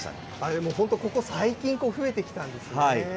でも本当、ここ最近、増えてきたんですね。